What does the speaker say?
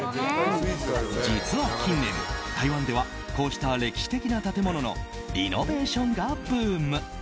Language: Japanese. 実は近年、台湾ではこうした歴史的な建物のリノベーションがブーム。